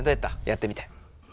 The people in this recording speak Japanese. やってみて。